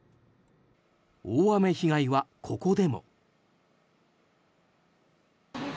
大雨被害はここでも。